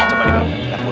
coba di dapur